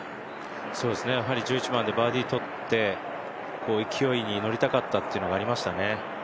１１番でバーディー取って、勢いに乗りたかったというのがありましたね。